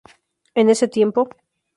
En ese tiempo.